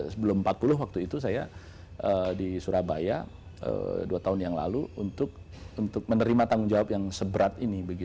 sebelum empat puluh waktu itu saya di surabaya dua tahun yang lalu untuk menerima tanggung jawab yang seberat ini